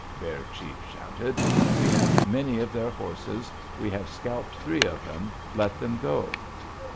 Bear Chief shouted. "We have many of their horses; we have scalped three of them; let them go!"